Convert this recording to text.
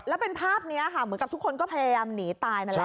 แล้วเป็นภาพนี้ค่ะเหมือนกับทุกคนก็พยายามหนีตายนั่นแหละ